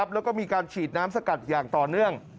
แล้วก็มีการฉีดน้ำสกัดอย่างต่อเนื่อง